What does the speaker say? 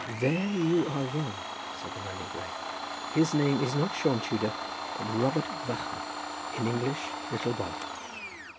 "There you are wrong," said the man in grey; "his name was not Sion Tudor, but Robert Vychan, in English, Little Bob.